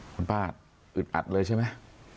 คุณป้าอึดอัดเลยใช่ไหม